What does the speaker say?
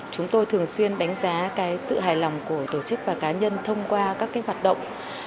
chúng tôi thường xuyên đánh giá sự hài lòng của tổ chức và cá nhân thông qua các hoạt động